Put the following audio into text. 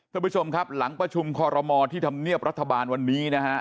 ท่านผู้ชมครับหลังประชุมคอรมอที่ธรรมเนียบรัฐบาลวันนี้นะฮะ